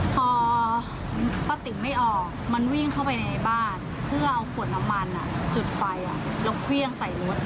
พอป้าติ๋มไม่ออกมันวิ่งเข้าไปในบ้านเพื่อเอาขวดน้ำมันจุดไฟแล้วเครื่องใส่รถ